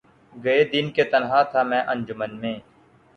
گئے دن کہ تنہا تھا میں انجمن میں